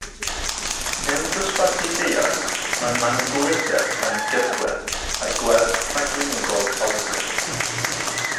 Mewn dosbarthu deuaidd, mae manwl gywirdeb yn gydwedd â gwerth rhagfynegol positif.